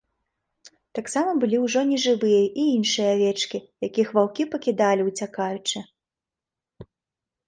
Таксама былі ўжо нежывыя і іншыя авечкі, якіх ваўкі пакідалі, уцякаючы.